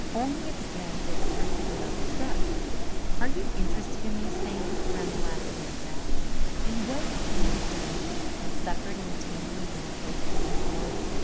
Only at the end was a personal note struck. "Are you interested in these things?" ran the last paragraph. "In what is being done and suffered and attained in the great busy world?